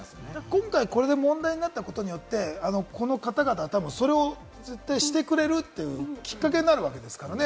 今回問題になったことによって、この方々はそれを絶対してくれるというきっかけになるわけですからね。